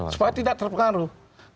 supaya tidak terpengaruh